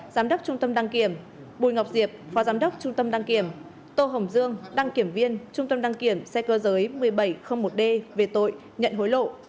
giám đốc trung tâm đăng kiểm bùi ngọc diệp phó giám đốc trung tâm đăng kiểm tô hồng dương đăng kiểm viên trung tâm đăng kiểm xe cơ giới một nghìn bảy trăm linh một d về tội nhận hối lộ